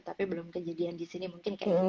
tapi belum kejadian disini mungkin kayak gitu